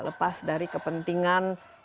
lepas dari kepentingan sosial